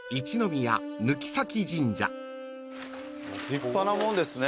立派な門ですね。